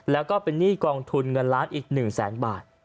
แล้วก็เป็นหนี้กองทุนเงินล้านอีก๑แสนบาท